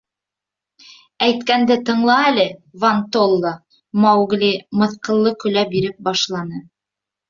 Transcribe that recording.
— Әйткәнде тыңла әле, Вон-толла, — Маугли мыҫҡыллы көлә биреп башланы.